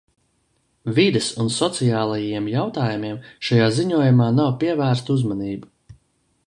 Vides un sociālajiem jautājumiem šajā ziņojumā nav pievērsta uzmanība.